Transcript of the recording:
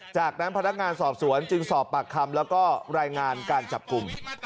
จากนั้นพนักงานสอบสวนจึงสอบปากคำแล้วก็รายงานการจับกลุ่ม